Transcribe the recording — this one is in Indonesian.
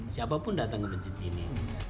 siapapun datang ke masjid ini